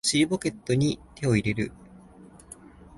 尻ポケットに手を入れる